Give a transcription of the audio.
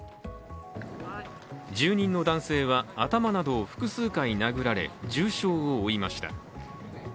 住人の男性は頭などを複数回殴られ、重傷を負いました。